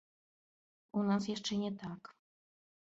У нас яшчэ не так.